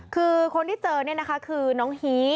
คือคนที่เจอเนี่ยนะคะคือน้องฮี